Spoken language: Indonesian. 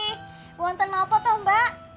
mau nonton apa tuh mbak